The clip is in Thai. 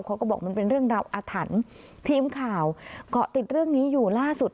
เขาก็บอกมันเป็นเรื่องราวอาถรรพ์ทีมข่าวเกาะติดเรื่องนี้อยู่ล่าสุด